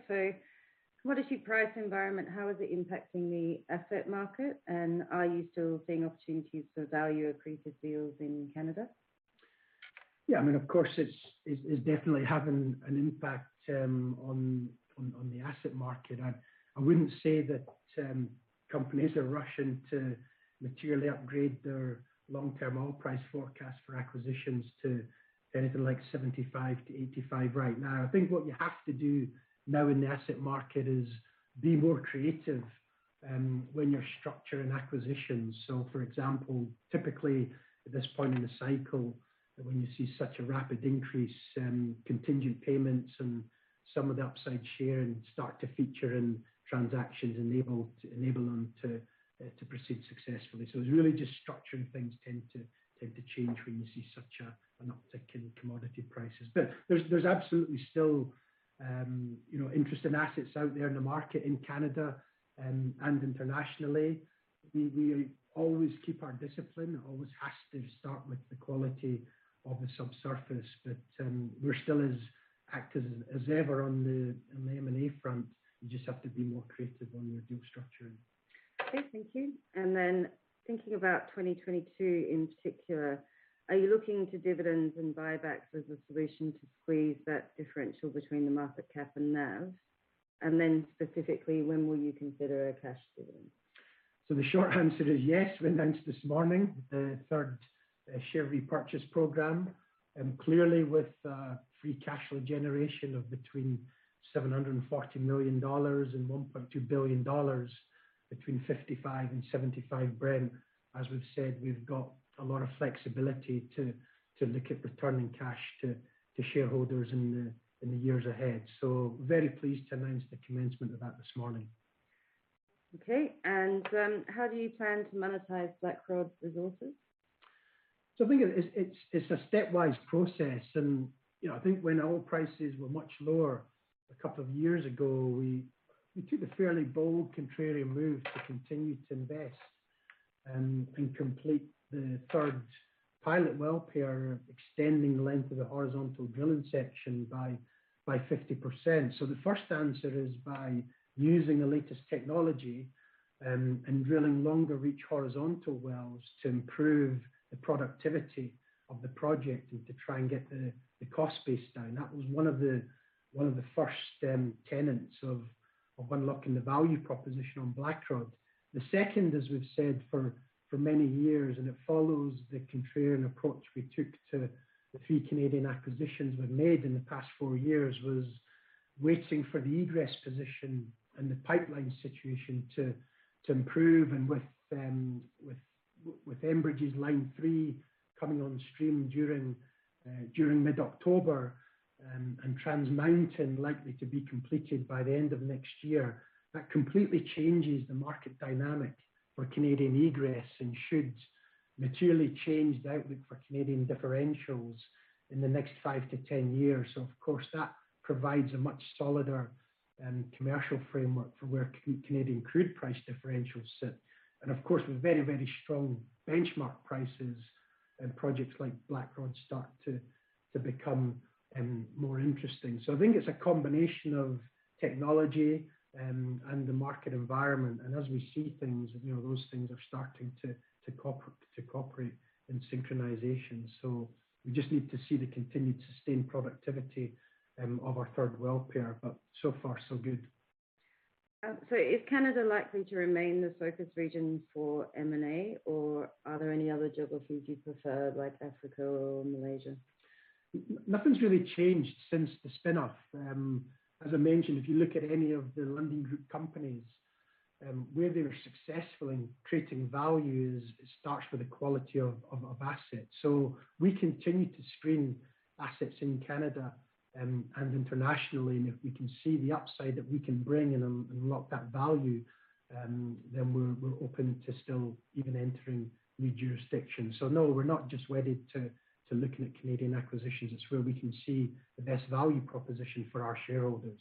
Commodity price environment, how is it impacting the asset market? Are you still seeing opportunities for value accretive deals in Canada? Yeah. I mean, of course, it's definitely having an impact on the asset market. I wouldn't say that companies are rushing to materially upgrade their long-term oil price forecast for acquisitions to anything like $75-$85 right now. I think what you have to do now in the asset market is be more creative when you're structuring acquisitions. For example, typically at this point in the cycle, when you see such a rapid increase, contingent payments and some of the upside share start to feature in transactions enable them to proceed successfully. It's really just structuring things tend to change when you see such an uptick in commodity prices. There's absolutely still you know interest in assets out there in the market in Canada and internationally. We always keep our discipline. It always has to start with the quality of the subsurface. We're still as active as ever on the M&A front. You just have to be more creative on your deal structuring. Okay, thank you. Thinking about 2022 in particular, are you looking to dividends and buybacks as a solution to squeeze that differential between the market cap and NAV? Specifically, when will you consider a cash dividend? The short answer is yes. We announced this morning the third share repurchase program. Clearly with free cash flow generation of between $740 million and $1.2 billion between $55-$75 Brent, as we've said, we've got a lot of flexibility to look at returning cash to shareholders in the years ahead. Very pleased to announce the commencement of that this morning. Okay, how do you plan to monetize Blackrod's resources? I think it's a stepwise process and, you know, I think when oil prices were much lower a couple of years ago, we took a fairly bold, contrarian move to continue to invest and complete the third pilot well pair, extending the length of the horizontal drilling section by 50%. The first answer is by using the latest technology and drilling long-reach horizontal wells to improve the productivity of the project and to try and get the cost base down. That was one of the first tenets of unlocking the value proposition on Blackrod. The second, as we've said for many years, and it follows the contrarian approach we took to the three Canadian acquisitions we've made in the past four years, was waiting for the egress position and the pipeline situation to improve. With Enbridge's Line 3 coming on stream during mid-October, and Trans Mountain likely to be completed by the end of next year. That completely changes the market dynamic for Canadian egress and should materially change the outlook for Canadian differentials in the next five to 10 years. Of course, that provides a much solider commercial framework for where Canadian crude price differentials sit. Of course, with very, very strong benchmark prices and projects like Black Rod start to become more interesting. I think it's a combination of technology and the market environment. As we see things, you know, those things are starting to cooperate in synchronization. We just need to see the continued sustained productivity of our third well pair. So far so good. Is Canada likely to remain the focus region for M&A, or are there any other geographies you prefer, like Africa or Malaysia? Nothing's really changed since the spin-off. As I mentioned, if you look at any of the Lundin Group companies, where they were successful in creating value, it starts with the quality of assets. We continue to screen assets in Canada and internationally. If we can see the upside that we can bring and unlock that value, then we're open to still even entering new jurisdictions. No, we're not just wedded to looking at Canadian acquisitions. It's where we can see the best value proposition for our shareholders.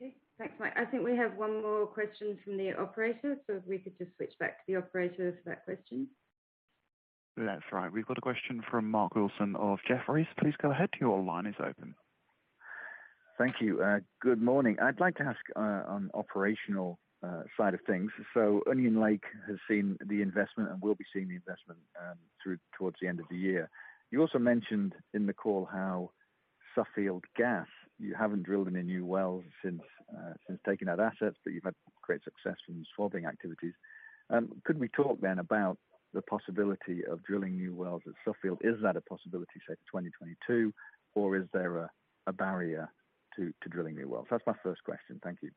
Okay. Thanks, Mike. I think we have one more question from the operator. If we could just switch back to the operator for that question. That's right. We've got a question from Mark Wilson of Jefferies. Please go ahead. Your line is open. Thank you. Good morning. I'd like to ask on operational side of things. Onion Lake has seen the investment and will be seeing the investment through towards the end of the year. You also mentioned in the call how Suffield Gas, you haven't drilled any new wells since taking over assets, but you've had great success from the swabbing activities. Could we talk then about the possibility of drilling new wells at Suffield? Is that a possibility, say, for 2022, or is there a barrier to drilling new wells? That's my first question. Thank you.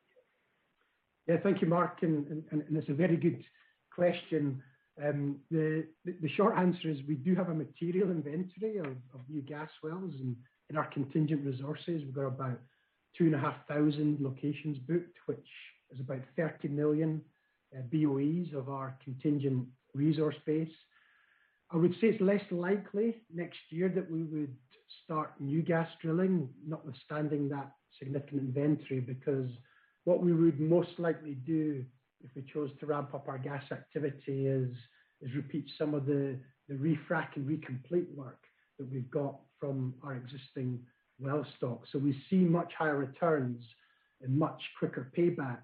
Thank you, Mark. It's a very good question. The short answer is we do have a material inventory of new gas wells in our contingent resources. We've got about 2,500 locations booked, which is about 30 million boes of our contingent resource base. I would say it's less likely next year that we would start new gas drilling, notwithstanding that significant inventory. Because what we would most likely do if we chose to ramp up our gas activity is repeat some of the refrac and recomplete work that we've got from our existing well stock. We see much higher returns and much quicker paybacks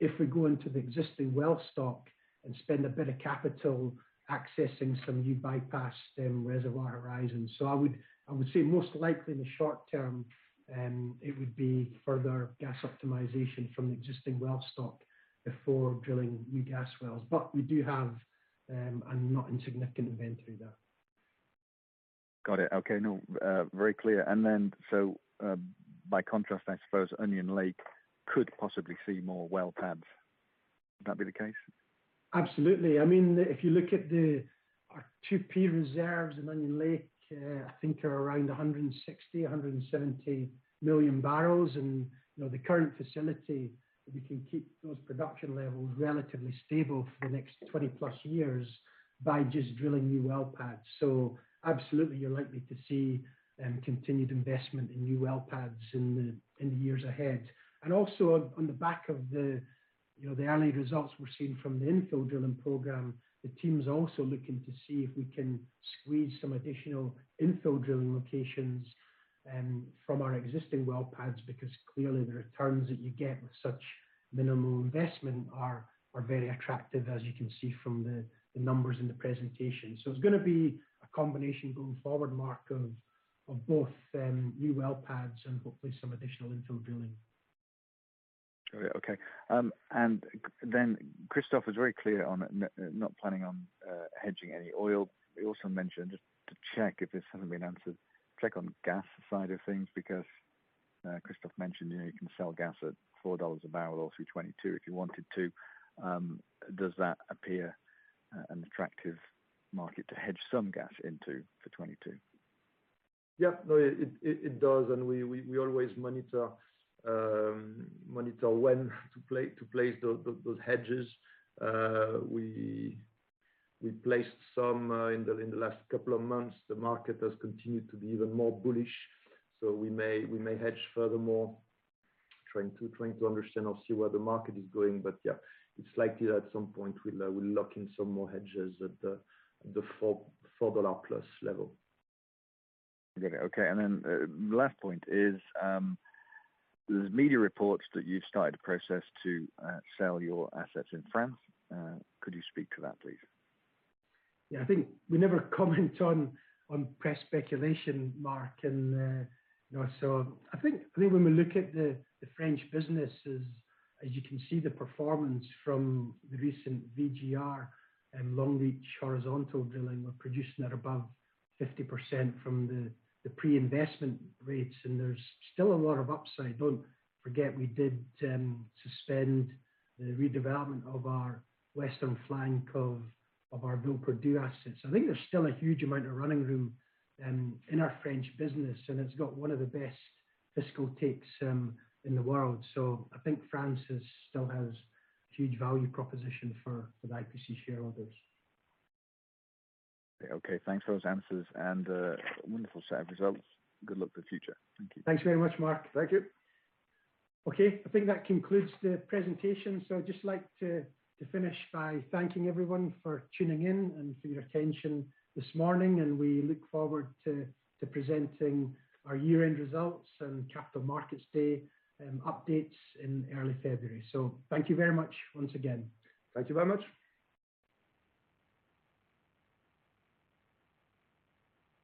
if we go into the existing well stock and spend a bit of capital accessing some new bypass reservoir horizons. I would say most likely in the short term, it would be further gas optimization from the existing well stock before drilling new gas wells. We do have a not insignificant inventory there. Got it. Okay. No, very clear. By contrast, I suppose Onion Lake could possibly see more well pads. Would that be the case? Absolutely. I mean, if you look at our 2P reserves in Onion Lake, I think are around 160 million bbl-170 million bbl. You know, the current facility, we can keep those production levels relatively stable for the next 20+ years by just drilling new well pads. You're likely to see continued investment in new well pads in the years ahead. Also on the back of the early results we're seeing from the infill drilling program, the team's also looking to see if we can squeeze some additional infill drilling locations from our existing well pads. Because clearly the returns that you get with such minimal investment are very attractive, as you can see from the numbers in the presentation. It's gonna be a combination going forward, Mark, of both new well pads and hopefully some additional infill drilling. Christophe was very clear on not planning on hedging any oil. He also mentioned, just to check if this hasn't been answered, check on gas side of things because Christophe mentioned, you know, you can sell gas at 4 dollars a barrel or through 2022 if you wanted to. Does that appear an attractive market to hedge some gas into for 2022? Yeah. No, it does. We always monitor when to place those hedges. We placed some in the last couple of months. The market has continued to be even more bullish. We may hedge furthermore, trying to understand or see where the market is going. Yeah, it's likely at some point we'll lock in some more hedges at the 4+ dollar level. Okay. The last point is, there's media reports that you've started a process to sell your assets in France. Could you speak to that, please? Yeah. I think we never comment on press speculation, Mark. You know, I think when we look at the French businesses, as you can see the performance from the recent VGR and long-reach horizontal drilling, we're producing at above 50% from the pre-investment rates, and there's still a lot of upside. Don't forget we did suspend the redevelopment of our western flank of our Villeperdue assets. I think there's still a huge amount of running room in our French business, and it's got one of the best fiscal takes in the world. I think France still has huge value proposition for IPC shareholders. Okay. Thanks for those answers and, wonderful set of results. Good luck for the future. Thank you. Thanks very much, Mark. Thank you. Okay. I think that concludes the presentation. I'd just like to finish by thanking everyone for tuning in and for your attention this morning, and we look forward to presenting our year-end results and capital markets day updates in early February. Thank you very much once again. Thank you very much.